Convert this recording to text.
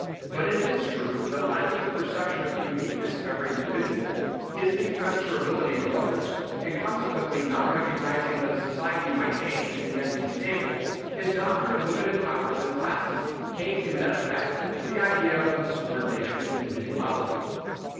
But it is true that lacking the perception of the uniqueness of every individual, his incommensurability with others, and consequently not recognizing that a society might change and yet be stable, his doctrine of limited powers and classes came in net effect to the idea of the subordination of individuality.